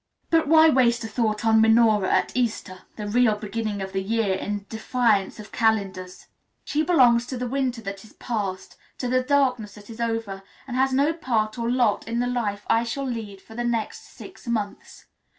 But why waste a thought on Minora at Easter, the real beginning of the year in defiance of calendars. She belongs to the winter that is past, to the darkness that is over, and has no part or lot in the life I shall lead for the next six months.